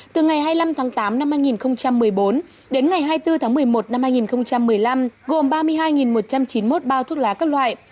từ ngày hai mươi năm tháng tám năm hai nghìn một mươi bốn đến ngày hai mươi bốn tháng một mươi một năm hai nghìn một mươi năm gồm ba mươi hai một trăm chín mươi một bao thuốc lá các loại